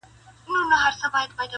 هغه لږ خبري کوي تل,